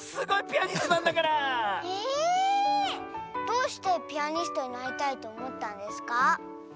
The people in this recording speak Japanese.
どうしてピアニストになりたいとおもったんですか？